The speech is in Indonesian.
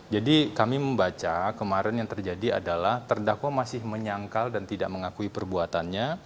jadi kami membaca kemarin yang terjadi adalah terdakwa masih menyangkal dan tidak mengakui perbuatannya